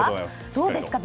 どうですか？